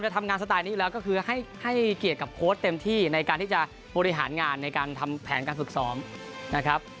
ทำงานสไตล์นี้อยู่แล้วก็คือให้เกียรติกับโค้ชเต็มที่ในการที่จะบริหารงานในการทำแผนการฝึกซ้อมนะครับ